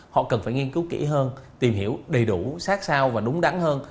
họ cần phải nghiên cứu kỹ hơn tìm hiểu đầy đủ sát sao và đúng đắn hơn